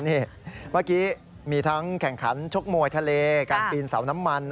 เมื่อกี้มีทั้งแข่งขันชกมวยทะเลการปีนเสาน้ำมัน